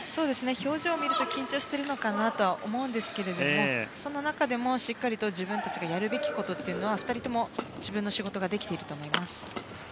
表情を見ると緊張しているのかなと思いますがその中でも、しっかり自分たちがやるべきことは２人とも、自分の仕事ができていると思います。